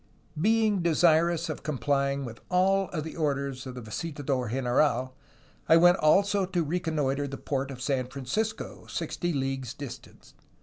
"Being desirous of complying with all the orders of the visitador general, I went also to reconnoiter the port of San Francisco, sixty leagues distant.